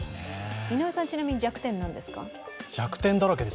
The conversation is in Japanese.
井上さん、ちなみに弱点は何ですか？